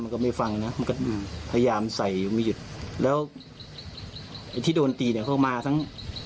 ก็ไม่ฟังนะมันก็พยายามใส่ไม่หยุดแล้วไอ้ที่โดนตีเนี่ยเขามาทั้ง